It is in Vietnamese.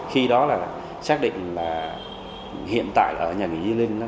khi đó là xác định là hiện tại là ở nhà nghỉ di linh